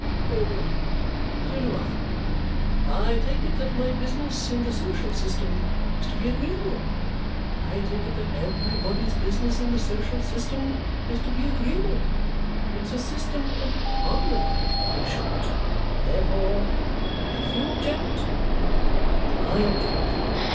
Very good. So do I. I take it that my business in the social system is to be agreeable; I take it that everybody's business in the social system is to be agreeable. It's a system of harmony, in short. Therefore if you object, I object.